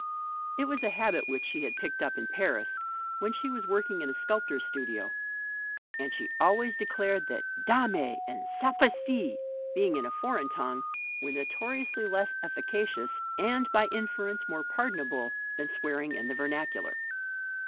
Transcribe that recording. It was a habit which she had picked up in Paris, when she was working in a sculptor's studio; and she always declared that "dame" and "sapristi" being in a foreign tongue, were notoriously less efficacious and by inference more pardonable, than swearing in the vernacular.